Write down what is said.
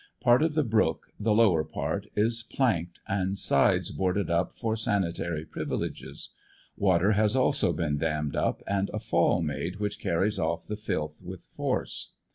Part of the brook, the lower part, is planked and sides boarded up for sanitary privileges; water has also been dammed up and a fall made which carries off the filth with force.